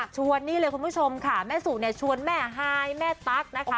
ชวนนี่เลยคุณผู้ชมค่ะแม่สุเนี่ยชวนแม่ฮายแม่ตั๊กนะคะ